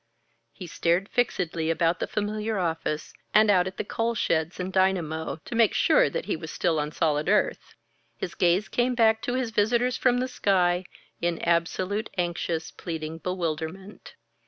He stared fixedly about the familiar office and out at the coal sheds and dynamo, to make sure that he was still on solid earth. His gaze came back to his visitors from the sky in absolute, anxious, pleading bewilderment.